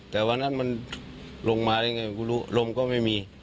แต่วันนั้นมันลงมาได้ไงคุณรู้ลมก็ไม่มี